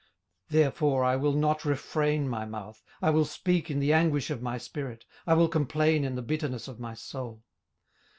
18:007:011 Therefore I will not refrain my mouth; I will speak in the anguish of my spirit; I will complain in the bitterness of my soul.